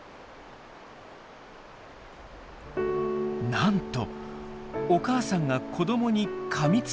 なんとお母さんが子どもにかみつきました。